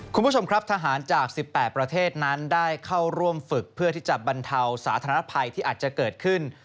คุณผู้ชมครับทหารจาก๑๘ประเทศนั้นได้เข้าร่วมฝึกเพื่อที่จะบรรเทาสาธารณภัยที่อาจจะเกิดขึ้น